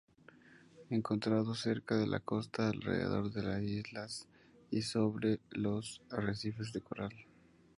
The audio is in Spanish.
Encontrado cerca de la costa alrededor de islas y sobre los arrecifes de coral.